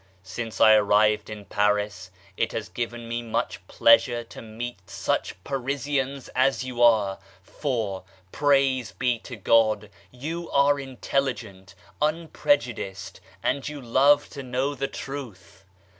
Since I arrived in Paris, it has given me much pleasure to meet such Parisians as you are, for, praise be to God, you are intelligent, unprejudiced, and you long to know the Truth.